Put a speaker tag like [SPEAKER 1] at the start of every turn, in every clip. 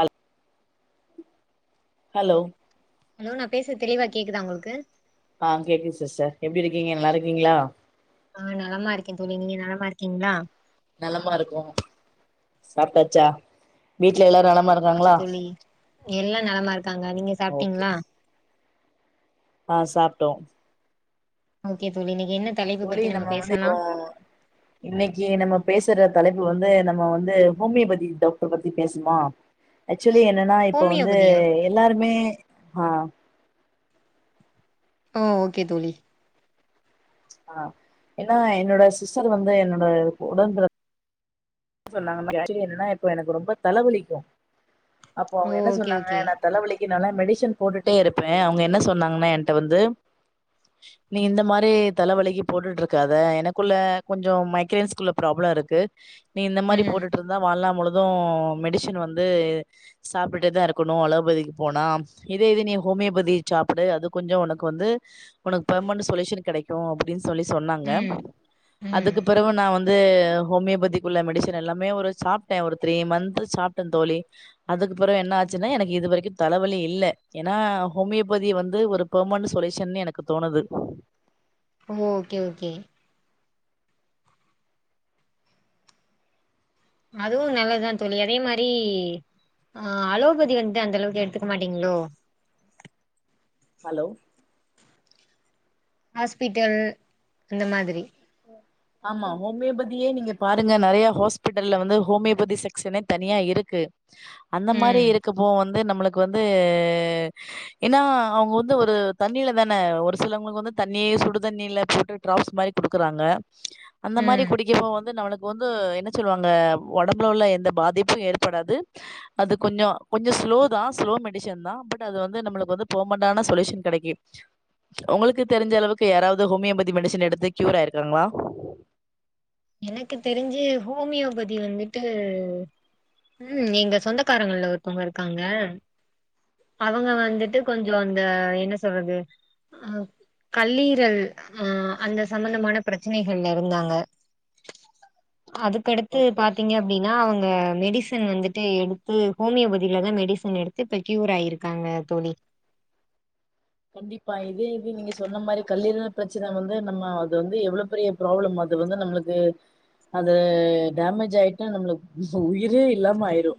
[SPEAKER 1] அல் hello
[SPEAKER 2] hello நா பேசறது தெளிவா கேக்குதா உங்களுக்கு
[SPEAKER 1] ஆ கேக்குது சிஸ்டர் எப்டி இருக்கீங்க நல்லா இருக்கீங்களா
[SPEAKER 2] ஆ நலமா இருக்கே தோழி நீங்க நலமா இருக்கீங்களா
[SPEAKER 1] நலமா இருக்கோ சாப்டாச்சா வீட்ல எல்லாரு நலமாருக்
[SPEAKER 2] ஆச்சு தோழி எல்லா நலமா இருக்காங்க நீங்க
[SPEAKER 1] ஓகே
[SPEAKER 2] சாப்ட்டீங்களா
[SPEAKER 1] ஆ சாப்ட்டோ
[SPEAKER 2] ஓகே தோழி இன்னைக்கி என்ன தலைப்பு
[SPEAKER 1] தோழி
[SPEAKER 2] பத்தி
[SPEAKER 1] நம்ம வந்து
[SPEAKER 2] பேசலா
[SPEAKER 1] இப்போ இன்னைக்கு நம்ம பேசுற தலைப்பு வந்து நம்ம வந்து ஹோமியோபதி டாக்டர் பத்தி பேசுமா ஆக்சுவலி என்னன்னா இப்போ வந்து
[SPEAKER 2] ஹோமியோபதியா
[SPEAKER 1] எல்லாருமே ஆ
[SPEAKER 2] ஓ ஓகே தோழி
[SPEAKER 1] ஆ ஏன்னா என்னோட சிஸ்டர் வந்து என்னோட உடன்பிற சொன்னாங்க ஆகசுவழி என்னனா இப்ப எனக்கு ரொம்ப தலைவலிக்கு அப்போ
[SPEAKER 2] ஓ
[SPEAKER 1] அவங்க என்ன
[SPEAKER 2] ஓகே
[SPEAKER 1] சொன்னாங்க
[SPEAKER 2] ஓகே
[SPEAKER 1] நா தலைவலிக்கு நாலா மெடிசன் போட்டுட்டே இருப்பே அவங்க என்ன சொன்னாங்கன்னா ஏன்ட வந்து
[SPEAKER 2] [inaudible]
[SPEAKER 1] நீ இந்த மாரி தலைவலிக்கு போட்டுட்டுருக்காத எனக்குள்ள கொஞ்ச மைக்ரன்ஸ்க்குள்ள ப்ராப்ள இருக்கு நீ இந்த மாரி
[SPEAKER 2] ம்
[SPEAKER 1] போட்டுட்ருந்தா வாழ்நாள் முழுது மெடிசின் வந்து சாப்ட்டுடேதா இருக்கணு அலோபதிக்கு போனா இதே இது நீ ஹோமியோபதி சாப்பிடு அது கொஞ்ச உனக்கு வந்து உனக்கு பெர்மனண்ட் சொல்யூஷன் கெடைக் கு அப்டின்னு சொல்லி சொன்னாங்க
[SPEAKER 2] ம் ம்
[SPEAKER 1] அதுக்கு பிறவு நா வந்து ஹோமியோபதி உள்ள மெடிஷன் எல்லாமே ஒரு சாப்ட்டே ஒரு த்ரீ மந்த் சாப்ட்டே தோழி அதுக்குப்பற என்ன ஆச்சுன்னா எனக்கு இது வரைக்கொ தலைவலி இல்ல ஏன்னா ஹோமியோபதி வந்து ஒரு பெர்மன்ட் சொலுயூஷன்னு எனக்கு தோனுது
[SPEAKER 2] ஓ ஓகே ஓகே அதுவு நல்லதுதா தோழி அதே மாரி ஆ அலோபதி வந்து அந்தளவுக்கு எடுத்துக்க மாட்டீங்களோ
[SPEAKER 1] ஹலோ
[SPEAKER 2] ஹாஸ்பிட்டல் அந்த மாதிரி
[SPEAKER 1] ஆமா ஹோமியோபதியே நீங்க பாருங்க நெறைய ஹாஸ்பிட்டல்ல வந்து ஹோமியோபதி செக்க்ஷனே தனியா இருக்கு அந்த மாரி
[SPEAKER 2] ம்
[SPEAKER 1] இருக்கப்போ வந்து நம்ளுக்கு வந்து ஏன்னா அவங்க வந்து ஒரு தண்ணில தானே ஒரு சிலவங்களுக்கு வந்து தண்ணி சுடு தண்ணில போட்டு ட்ராப்ஸ் மாரி குடுக்குறாங்க அந்த மாரி
[SPEAKER 2] ம்
[SPEAKER 1] குடிக்கப்போ வந்து நம்ளுக் இப்ப வந்து என்ன சொல்லுவாங்க ஒடம்புல உள்ள எந்த பாதிப்பு ஏற்படாது அது கொஞ்ச கொஞ்ச ஸ்லோதா ஸ்லோ மெடிஷன்தா பட் அது வந்து நம்ளுக்கு வந்து பர்மென்டான சொல்யூஷன் கெடைக்கு ஒங்களுக்கு தெரிஞ்ச அளவுக்கு யாராவது ஹோமியோபதி மெடிசன் எடுத்து க்யூர் ஆயிருக்காங்ளா
[SPEAKER 2] எனக்கு தெரிஞ்சு ஹோமியோபதி வந்துட்டு ம் எங்க சொந்தக்காரங்கல்ல ஒருத்தவங்க இருக்காங்க அவங்க வந்துட்டு கொஞ்ச அந்த என்ன சொல்றது அ கல்லீரல் அ அந்த சம்பந்தமான ப்ரச்சனைகள்ல இருந்தாங்க அதுக்கடுத்து
[SPEAKER 1] ஓகே
[SPEAKER 2] பாத்தீங்க அப்டின்னா அவங்க மெடிசன் வந்துட்டு எடுத்து ஹோமியோபதிலதா மெடிசன் எடுத்து க்யூர் ஆயிருக்காங்க தோழி
[SPEAKER 1] கண்டிப்பா இதே இது நீங்க சொன்ன மாரி கல்லீரல் ப்ரச்சன வந்து நம்ம அது வந்து எவ்ள பெரிய ப்ராப்ளம் அது வந்து நம்ளுக்கு அது டேமேஜ் ஆயிட்டா நம்மள உயிரே இல்லாம ஆயிரு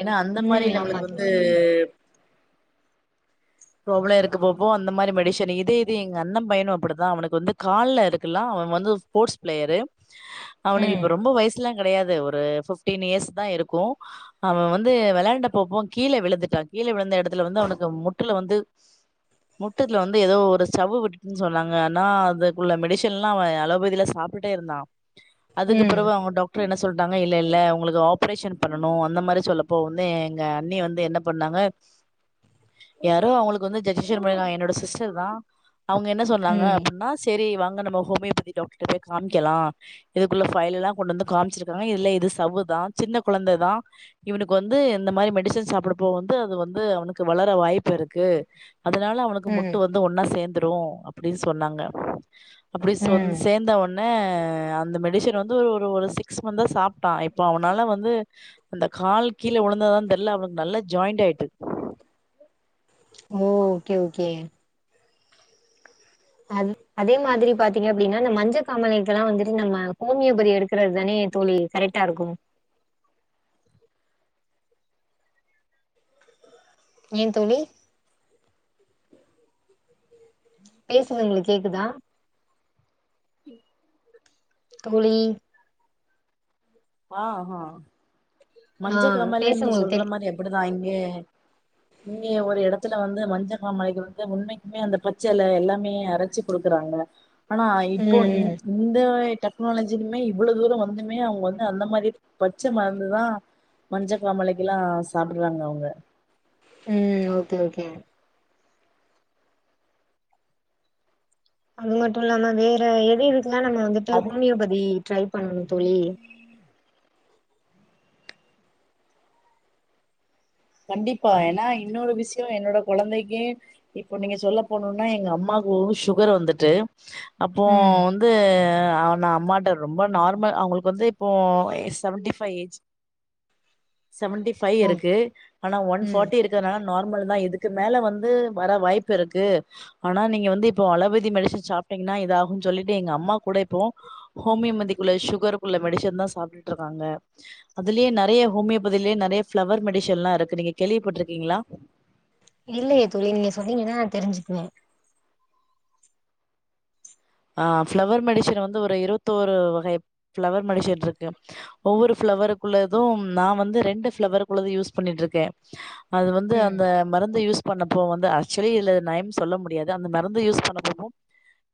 [SPEAKER 1] ஏன்னா அந்த மாரி
[SPEAKER 2] ம் ஆமா
[SPEAKER 1] நம்ளுக்கு வந்து
[SPEAKER 2] தோழி
[SPEAKER 1] ப்ராப்ள இருக்கு போப்போ அந்த மாரி மெடிசன் இதே இது எங்க அண்ண பையணு அப்புடிதா அவனுக்கு வந்து கால்ல இருக்கல்லா அவ வந்து ஸ்போர்ட்ஸ் ப்ளேயரு அவனுக்கு
[SPEAKER 2] ம்
[SPEAKER 1] இப்ப ரொம்ப வயசு லா கெடையாது ஒரு பிஃப்டீன் இயர்ஸ்தா இருக்கு அவ வந்து வெளாண்ட போப்போ கீழ விழுந்துட்டா கீழ விழுந்த எடத்துல வந்து அவனக்கு முட்டுல வந்து முட்டு இதுல வந்து ஏதோ ஒரு சவ்வு விட்டுட்டுன்னு சொன்னாங்க ஆனா அதுக்குள்ள மெடிசன்லா அவ அலோபதிலா சாப்டுட்டே இருந்தா அதுக்கு
[SPEAKER 2] ம்
[SPEAKER 1] பிறவு அவங்க டாக் ட்ரு என்ன சொல்ட்டாங்க இல்ல இல்ல உங்களுக்கு ஆப்ரேஷன் பண்ணணு அந்த மாரி சொல்லப்போ வந்து எங்க அண்ணி வந்து என்ன பண்ணாங்க
[SPEAKER 2] [inaudible]
[SPEAKER 1] யாரோ அவுங்களுக்கு வந்து சஜஜசன் பண்ணிருக்காக என்னோட சிஸ்டர்தா அவங்க என்ன சொன்னாங்க
[SPEAKER 2] ம்
[SPEAKER 1] அப்புட்னா சரி வாங்க நம்ம ஹோமியோபதி டாக்டர்ட்ட போய் காம்க்கலா இதுக்குள்ள ஃபைல் எல்லா கொண்டு வந்து காம்ச்சிருக்காங்க இதுல இது சவ்வுதா சின்ன கொழந்ததா இவுனுக்கு வந்து இந்த மாரி மெடிசன் சாப்றப்போ வந்து அது வந்து அவுனுக்கு வளர வாய்ப்பிருக்கு அதுனால அவனுக்கு
[SPEAKER 2] ம்
[SPEAKER 1] முட்டு வந்து ஒன்னா சேந்துரு அப்டின் சொன்னாங்க அப்டி சொன்
[SPEAKER 2] ம்
[SPEAKER 1] சேந்த ஒன் னே அந்த மெடிஷன் வந்து ஒரு ஒரு சிக்ஸ் மந்த்தா சாப்பட்டா இப்போ அவனால வந்து அந்த கால் கீழ உழுந்ததான் தெர்ல அவுனுக்கு நல்லா ஜாயிண்ட் ஆய்ட்டு
[SPEAKER 2] மோ ஓகே ஓகே அ அதே மாதிரி பாத்தீங்க அப்டின்னா இந்த மஞ்ச காமலைக்கல்லா வந்துட்டு நம்ம ஹோமியோபதி எடுக்குறது தானே தோழி கரெட்டா இருக்கு ஏ தோழி பேசுறங்களக்கு கேக்குதா தோழி
[SPEAKER 1] ஆ ஹ
[SPEAKER 2] ஆ
[SPEAKER 1] மஞ்ச காமாலையே
[SPEAKER 2] பேச
[SPEAKER 1] நீங்க
[SPEAKER 2] உங்களுக்கு தெரி
[SPEAKER 1] சொல்ற மாரி அப்புடிதா இங்க இங்க ஒரு எடத்துல வந்து மஞ்சகாமலைக்கு வந்து உண்மைக்குமே அந்த பச்செல எல்லாமே அரச்சி குடுக்குறாங்க ஆனா இப்போ இ
[SPEAKER 2] ம்
[SPEAKER 1] இந்த டெக்னாலஜிலுமே இவ்ளோ தூர வந்துமே அவுங்க வந்து அந்த மாரி பச்ச மருந்து தா மஞ்சக்காமாலைக்கெலா சாப்டுறாங்க அவுங்க
[SPEAKER 2] ம் ஓகே ஓகே அது மட்டு இல்லாம வேற எது எதுகெல்லா நம்ம வந்துட்டு
[SPEAKER 1] அது
[SPEAKER 2] ஹோமியோபதி ட்ரை பண்ணணு தோழி
[SPEAKER 1] கண்டிப்பா ஏனா இன்னொரு விசியோ என்னோட கொழந்தைக்கி இப்ப நீங்க சொல்ல போனும்னா எங்க அம்மாக்கு ஒ ஃசுகர்ரு வந்துட்டு அப்போ
[SPEAKER 2] ம்
[SPEAKER 1] வந்து ஆ நா அம்மாட்ட ரொ ரொம்ப நார்மல் அவுங்களுக்கு வந்து இப்போ செவன்ட்டிஃபைவ் ஏஜ் செவன்ட்டி ஃபை
[SPEAKER 2] ஓ
[SPEAKER 1] இருக்கு ஆனா ஒன்
[SPEAKER 2] ம்
[SPEAKER 1] ஃபாட்டி இருக் க்கனால நார்மல் தா இதுக்கு மேல வந்து வர வாய்ப் இருக்கு ஆனா நீங்க வந்து இப்போ அலோவதி மெடிசன் சாப்ட்டீங்கன்னா இதா ஆகுன்னு சொல்லிட்டு எங்க அம்மா கூட இப்போ ஹோமியோபதிக்குள்ள ஃசுகருக்குள்ளக் மெடிசன் தா சாப்ட்டுட்ருக்காங்க அதுலே நெறைய ஹாமியோபதிலே நெறைய ஃபிளவர் மெடிசன்ல்லா இருக்கு நீங்க கேள்விப்பட்டுருக்கீங்ளா
[SPEAKER 2] இல்லையே தோழி நீங்க சொன்னீங்கன்னா தெரிஞ்சுக்குவே
[SPEAKER 1] ஆ ஃபிளவர் மெடிசன் வந்து ஒரு இருபத்தோரு வகை ஃபிளவர் மெடிசன் இருக்கு ஒவ்வொரு ஃபிளவரு குள்ளதும் நா வந்து ரெண்டு ஃபிளவர் குள்ளது யூஸ் பண்ணிட்டுருக்கே அது வந்து
[SPEAKER 2] ம்
[SPEAKER 1] அந்த மருந்த யூஸ் பண்ணப்போ வந்து ஆக்ச்சலி இல்ல நயம் சொல்ல முடியாது அந்த மருந்து யூஸ் பண்ணோ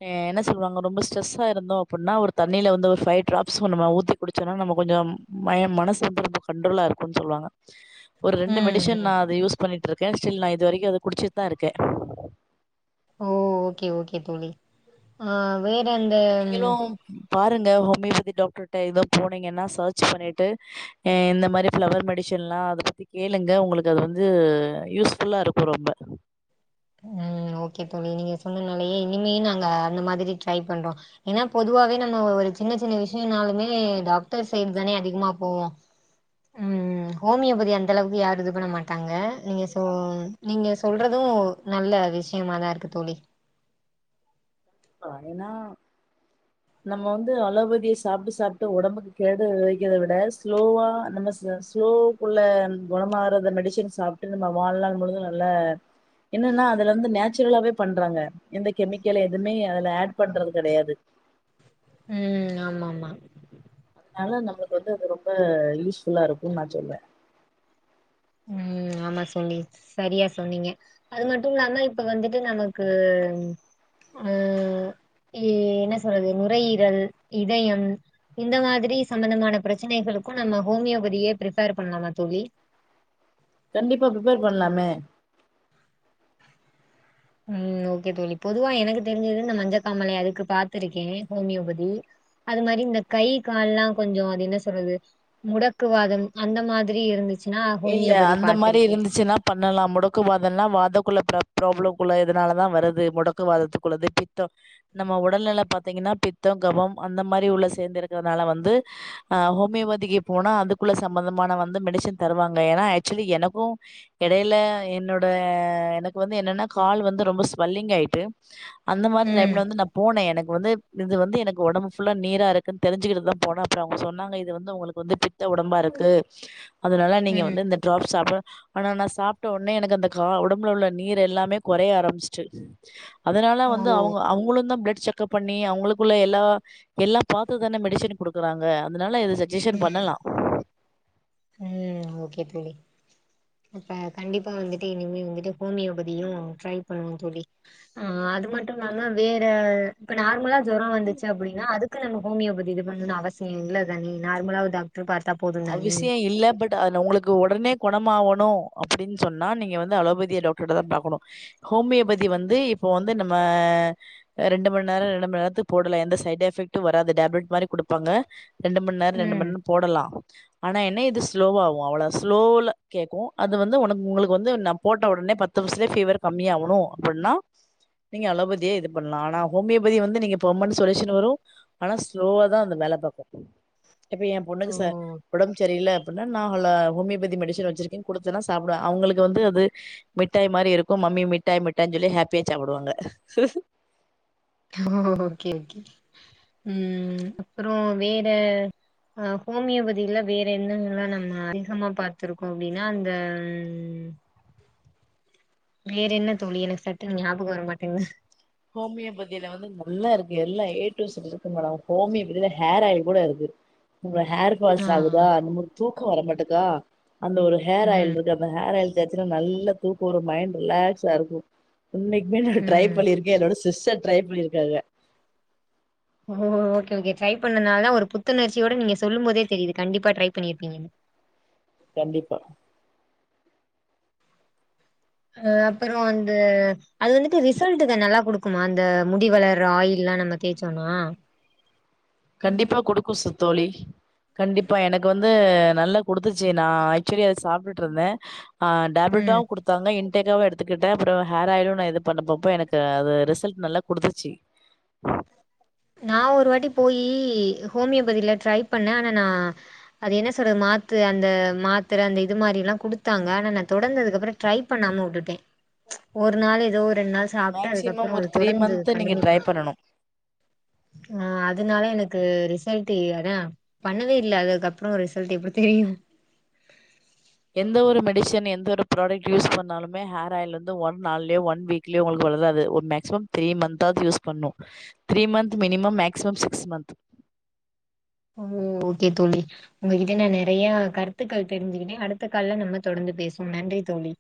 [SPEAKER 1] [unintelligible] எ என்ன சொல்லுவங்க ரொம்ப ஸ்ட்ரஸ்ஸா இருந்தோ அப்டின்னா ஒரு தண்ணில வந்து ஒரு ஃபைவ் ட்ராப்ஸ் நம்ம ஊத்தி குடிச்சோனா நம்ம கொஞ்சம் மயம் மனசு வந்து ரொம்ப கண்ட்ரோலா இருக்குன்னு சொல்லுவாங்க ஒரு ரெண்டு
[SPEAKER 2] ம்
[SPEAKER 1] மெடிஷன்
[SPEAKER 2] ம்
[SPEAKER 1] நா அத யூஸ் பண்ணிட்டு இருக்கே ஸ்டில் நா இது வரைக்கு அத குடிச்சுட்டு தா இருக்கே
[SPEAKER 2] ஓ ஓகே ஓகே தோழி ஆ வேற அந்த
[SPEAKER 1] நீங்களு பாருங்க ஹோமியோபதி டாக்டர்ட்ட ஏதோ போனீங்கன்னா சர்ச் பண்ணிட்டு எ இந்த மாரி ஃபிளவர் மெடிஷென் லா அத பத்தி கேளுங்க உங்களுக்கு அது வந்து யூஸ்ஃபுல்லா இருக்கு ரொம்ப
[SPEAKER 2] ம் ஓகே தோழி நீங்க சொன்னனாலயே இனிமே நாங்க அந்த மாதிரி ட்ரை பண்றோ ஏன்னா பொதுவாவே நம்ம ஒரு சின்ன சின்ன விஷியனாலுமே டாக்டர் சைடு தானே அதிகமா போவோ ம் ம் ஹோமியோபதி அந்த அளவுக்கு யாரு இது பண்ண மாட்டாங்க நீங்க சொ நீங்க சொல்றது நல்ல விஷியமா தா இருக்கு தோழி
[SPEAKER 1] வரேன்னா நம்ம வந்து அலோபதிய சாப்ட்டு சாப்ட்டு ஒடம்புக்கு கேடு வைக்கர்த விட ஸ்லோவா நம்ம சோ ஸ்லோ க்குள்ள குணமார்றதன் மெடிஷன் சாப்ட்டு நம்ம வாழ்நாள் முழுதும் நல்ல என்னன்னா அதுலருந்து நேச்சுரலாவே பண்றாங்க எந்த கெமிக்கலே எதுவுமே அதுல ஆட் பண்றது கெடையாது
[SPEAKER 2] ம் ஆமா ஆமா
[SPEAKER 1] அதனால நம்ளுக்கு வந்து அது ரொம்ப யூஸ்ஃபுல்லா இருக்குனு நா சொல்வே
[SPEAKER 2] ம் ஆமா தோழி செரியா சொன்னீங்க அது மட்டு இல்லாம இப்ப வந்துட்டு நமக்கு ஆ எ என்ன சொல்றது நுரையீரல் இதயம் இந்த மாதிரி சம்பந்தமான பிரச்சனைகளுக்கு நம்ம ஹோமியோபதியே பிரிபேர் பண்ணலாமா தோழி
[SPEAKER 1] கண்டிப்பா பிரிப்பேர் பண்ணலாமே
[SPEAKER 2] ம் ஓகே தோழி பொதுவா எனக்கு தெரிஞ்சது இந்த மஞ்சக்காமாலை அதுக்கு பாத்ருக்கே ஹோமியோபதி அது மாரி இந்த கை கால்லா கொஞ்சோ அது என்ன சொல்றது முடக்குவாதம் அந்த மாதிரி இருந்துச்
[SPEAKER 1] இல்ல அந்த மாரி இருந்துச்சுன்னா பண்ணலா முடக்கு வாதோல்லா வாதக்குள்ள ப்ராப்ளம்க்குள்ள எதனாலதா வருது முடக்கு வாதத்துக்குள்ளது பித்தோ நம்ம உடல்நெல பாத்தீங்கன்னா பித்தம் கபம் அந்த மாரி உள்ள சேந்து இருக்கிறதுனால வந்து அ ஹோமியோபதிக்கு போனா அதுக்குள்ள சம்மந்தமான வந்து மெடிசன் தருவாங்க ஏன்னா ஆக்ச்சுலி எனக்கு யெடையில என்னோட எனக்கு வந்து என்னன்னா கால் வந்து ரொம்ப ஸ்வெல்லிங் ஆய்ட்டு அந்த மாறி
[SPEAKER 2] ம்
[SPEAKER 1] டைம்ல வந்து நம் போனே எனக்கு வந்து இது வந்து எனக்கு ஒடம்பு ஃபுல்லா நீரா இருக்குன்னு தெரிஞ்சுக்கிட்டு தா போனே அப்றோ அவுங்க சொன்னாங்க இது வந்து உங்களுக்கு வந்து பித் த ஒடம்பாருக்கு அதனால நீங்க
[SPEAKER 2] ம்
[SPEAKER 1] வந்து இந்த ட்ராப்ஸ் சாப்ட ஆனா நா சாப்ட்ட ஒடனே எனக்கு அந்த கா உடம்புல உள்ள நீர் எல்லாமே கொறைய ஆரம்பிச்சிட்டு அதனால
[SPEAKER 2] ஓ
[SPEAKER 1] வந்து அவுங்க அவுங்களு தா பிளட் செக் கப்பண்ணி அவுங்களுக்குள்ள எல்லா எல்லா பாத்துதானே மெடிசின் குடுக்கறாங்க அதனால இது செக் [unintelligible]
[SPEAKER 2] ம்
[SPEAKER 1] பண்ணலா
[SPEAKER 2] ஓகே தோழி இப்ப கண்டிப்பா வந்துட்டு இனிமே வந்துட்டு ஹோமியோபதியு ட்ரை பண்ணுவோ தோழி ஆ அது மட்டு இல்லாம வேற இப்ப நார்மலா ஜுரோ வந்துச்சு அப்டின்னா அதுக்கு நம்ம ஹோமோபதி இது பண்ணுன்னு அவசிய இல்ல தானே நார்மலா ஒரு டாக் ட்ரு பாத்தா போதுந்தானே
[SPEAKER 1] அவசியம் [unintelligible] அது நா உங்களுக்கு ஒடனே கோண ஆவணும் அப்டின் சொன்னா நீங்க வந்து அலோபதிய டாக்டர்ட்ட தா பாக்கணு ஹோமியோபதி வந்து இப்ப வந்து நம்ம ரெண்டு மண் நேரோ ரெண்டு மண் நேர்த்துக்கு போட்டல எந்த சைடு எபெக்ட்டு வராது டேலட் மாரி குடுப்பாங்க ரெண்டு மண் நேரோ ரெண்டு மண்
[SPEAKER 2] ம்
[SPEAKER 1] நேரோ போடலா ஆனா என்ன இது ஸ்லோவ ஆவு அவ்ளோ ஸ்லோல கேட்கு அது வந்து உனக் உங்களுக்கு வந்து நா போட்ட உடனே பத்து நிம்ஷ்த்துயே ஃபீவர் கம்மியாகணு அப்டின்னா நீங்க அலோபதியே இது பண்ணலா ஆனா ஹோமியபதி வந்து நீங்க பெர்மென் சொல்யூஷன் வரு ஆனா சலோவ தா அந்த மேல பக்கு இப்ப என் பொண்ணுக்கு ச
[SPEAKER 2] ஓ
[SPEAKER 1] ஒடம்புரியல அப்டின்னா நா ஹோமியோபதி மெடிசன் வச்சிருக்கே குடுத்தன்னா சாப்டுவ அவுங்களுக்கு வந்து அது மிட்டாய் மாரி இருக்கு மம்மி மிட்டாய் மிட்டாயனு சொல்லி ஹாப்பியா சாப்பிடுவாங்க
[SPEAKER 2] ஓகே ஓகே ம் அப்றோ வேற அ ஹோமியோபதியில வேற என்னன்னல்லா நம்ம அதிகமா பாத்திருக்கோ அப்டின்னா அந்த வேற என்ன தோழி எனக்கு சட்டுனு ஞாபகோ வரமாட்டேங்கது
[SPEAKER 1] ஹோமியோபதியில வந்து நல்லா இருக்கு எல்லா ஏ டூ ஈசட் இருக்கு மேடம் ஹோமியோபதில ஹேர் ஆயில் கூட இருக்கு உங்க ஹேர்
[SPEAKER 2] ஆ
[SPEAKER 1] ஃபால்ஸ்ஸு ஆகுதா நம்பளுக்கு தூக்கோ வரமாட்டாத அந்த ஒரு ஹேர் ஆயில்
[SPEAKER 2] ம்
[SPEAKER 1] இருக்கு அந்த ஹேர் ஆயில் தேசச்சுன்னா நல்லா தூக்கும் வரு மைண்ட் ரிலாக்ஸா இருக்கு உண்மைக்குமே நா ட்ரை
[SPEAKER 2] ம்
[SPEAKER 1] பண்ணியிருக்கே என்னோட சிஸ்டர் ட்ரை பண்ணியிருக்காங்க
[SPEAKER 2] ஓ ஓகே ஓகே ட்ரை பண்ணனால தா ஒரு புத்துணர்ச்சியோட நீங்க சொல்லு போதே தெரியுது கண்டிப்பா ட்ரை பண்ணிருப்பீங்கன்னு
[SPEAKER 1] கண்டிப்பா
[SPEAKER 2] ஆ அப்றோ வந்து அது வந்துட்டு ரிசல்ட்டுக்கு நல்லா குடுக்குமா அந்த முடி வளர்ர ஆயில்லா நம்ம தேச்சோனா
[SPEAKER 1] கண்டிப்பா குடுக்கு சுத் தோழி கண்டிப்பா எனக்கு வந் ந்து நல்லா குடுத்துச்சு நா ஆக்சுவலி அத சாப்டுட்ருந்தே ஆ
[SPEAKER 2] ம்
[SPEAKER 1] டேப்லெட்டாவு குடுத் தாங்க இன்டேக்காவ எடுத்துக்கிட்டே அப்றோ ஹேர் ஆயிலு நா இது பண்ணப்பப்ப எனக்கு அது ரிசல்ட் நல்லா குடுத்துச்சு
[SPEAKER 2] நா ஒரு வாட்டி போயி ஹோமியோபதியில ட்ரை பண்ணே ஆனா நா அது என்ன சொல்றது மாத்து அந்த மாத்தர அந்த இது மாரில்லா குடுத்தாங்க ஆனா நா தொடர்ந்து அதுக்கப்றோ ட்ரை பண்ணாம உட்டுட்டே ச் ஒரு நாள் ஏதோ ரெண் நாள் சாப்ட்டு
[SPEAKER 1] மேக்சிமம்
[SPEAKER 2] அதுக்கப்பற
[SPEAKER 1] ஒரு
[SPEAKER 2] அது
[SPEAKER 1] த்ரீ
[SPEAKER 2] தொடர்ந்து
[SPEAKER 1] மந்த்து நீங்க
[SPEAKER 2] கண்டுனி
[SPEAKER 1] ட்ரை
[SPEAKER 2] பண்
[SPEAKER 1] பண்ணணு
[SPEAKER 2] ஆஹ் அதனால எனக்கு ரிசல்ட்டு அதா பண்ணவே இல்ல அதுக்கபற ரிசல்ட் எப்டி
[SPEAKER 1] எந்த ஒரு மெடிசன் எந்த ஒரு ப்ராடக்ட் யூஸ் பண்ணாலுமே ஹேராயில் வந்து ஒன் நாள்ளே ஒன் வீக் இல்ல உங்களுக்கு வளறாது ஒ மேக்சிமம் த்ரீ மந்த்தாது யூஸ் பண்ணு three month minimum maximum six month
[SPEAKER 2] ம் ஓகேத் தோழி உங்ககிட்ட நா நிறையா கருத்துக்கள் தெரிஞ்சுக்கிட்ட அடுத்த கால்ல நம்ம தொடர்ந்து பேசுவோ நன்றி தோழி